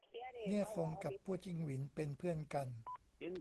เนี่ยฟงกับปู้จิ้งหวินเป็นเพื่อนกัน